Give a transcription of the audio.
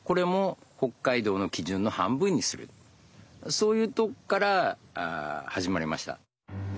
そういうとこから始まりました。